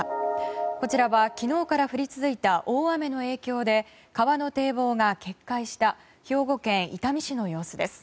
こちらは昨日から降り続いた大雨の影響で川の堤防が決壊した兵庫県伊丹市の様子です。